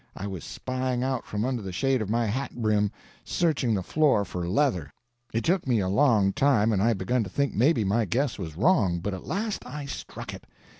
I was spying out from under the shade of my hat brim, searching the floor for leather. It took me a long time, and I begun to think maybe my guess was wrong, but at last I struck it.